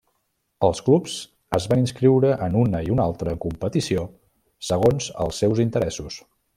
Els clubs es van inscriure en una i una altra competició segons els seus interessos.